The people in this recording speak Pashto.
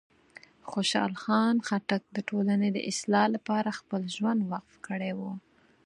خوشحال خان خټک د ټولنې د اصلاح لپاره خپل ژوند وقف کړی و.